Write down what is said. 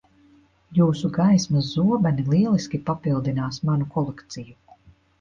Jūsu gaismas zobeni lieliski papildinās manu kolekciju.